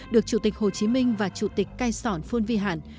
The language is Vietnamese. được chủ tịch hồ chí minh và chủ tịch cai sọn phương vi hạn